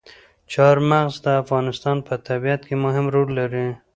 چار مغز د افغانستان په طبیعت کې مهم رول لري.